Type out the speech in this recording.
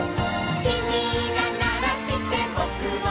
「きみがならしてぼくもなる」